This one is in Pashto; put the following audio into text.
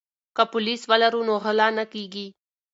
که پولیس ولرو نو غلا نه کیږي.